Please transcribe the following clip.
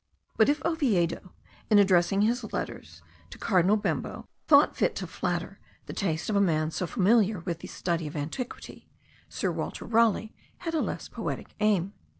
But if Oviedo, in addressing his letters to cardinal Bembo, thought fit to flatter the taste of a man so familiar with the study of antiquity, Sir Walter Raleigh had a less poetic aim.